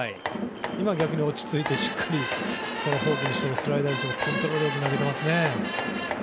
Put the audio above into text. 今は逆に落ち着いてしっかりフォークにしてもスライダーにしてもコントロール良く投げてますね。